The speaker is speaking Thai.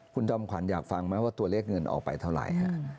คุณจอมขวัญอยากฟังไหมว่าตัวเลขเงินออกไปเท่าไหร่ฮะ